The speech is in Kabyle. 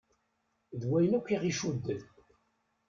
D wayen akk i ɣ-icudden.